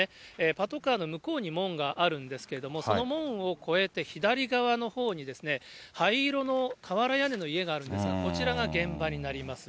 パトカーの向こうに門があるんですけれども、その門を越えて左側のほうにですね、灰色の瓦屋根の家があるんですが、こちらが現場になります。